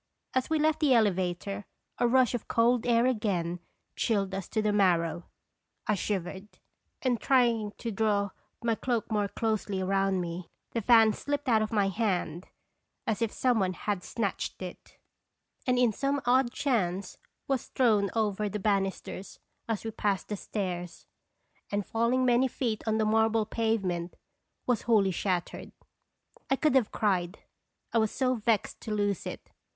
As we left the elevator, a rush of cold air again chilled us to the marrow. I shivered, and trying to draw my cloak more closely round me, the fan slipped out of my hand as if some one had snatched it, and in some odd chance was thrown over the banisters as we passed the stairs, and falling many feet on the marble pavement, was wholly shattered. I could have cried, I was so vexed to lose it.